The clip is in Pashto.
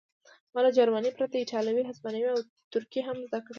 ما له جرمني پرته ایټالوي هسپانوي او ترکي هم زده کړې